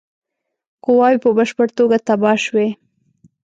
قواوي په بشپړه توګه تباه شوې.